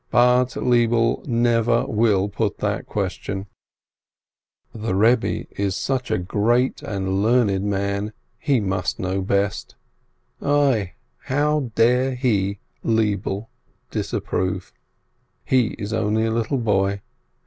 But Lebele will never put that question: the Rebbe is such a great and learned man, he must know best. Ai, how dare he, Lebele, disapprove? He is only a little boy.